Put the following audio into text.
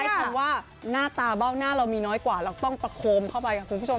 คำว่าหน้าตาเบ้าหน้าเรามีน้อยกว่าเราต้องประโคมเข้าไปค่ะคุณผู้ชม